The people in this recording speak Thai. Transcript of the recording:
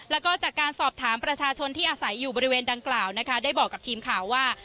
แล้วก็จากการสอบถามประชาชนที่อาศัยอยู่บริเวณดังกล่าวนะคะได้บอกกับทีมข่าวว่า